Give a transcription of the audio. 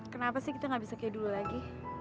kenapa sih kita gak bisa kayak dulu lagi